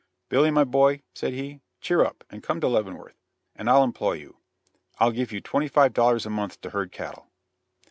"Billy, my boy," said he, "cheer up, and come to Leavenworth, and I'll employ you. I'll give you twenty five dollars a month to herd cattle."